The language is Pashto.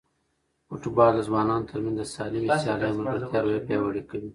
فوټبال د ځوانانو ترمنځ د سالمې سیالۍ او ملګرتیا روحیه پیاوړې کوي.